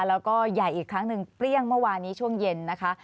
แล้วก็ใหญ่อีกครั้งหนึ่งเปรี้ยงเมื่อวานนี้ช่วงเย็นนะคะ